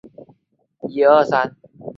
公园中的韩国民俗村是受欢迎的景点。